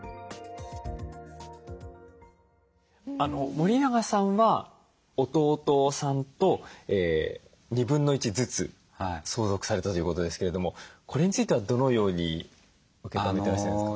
森永さんは弟さんと1/2ずつ相続されたということですけれどもこれについてはどのように受け止めてらっしゃるんですか？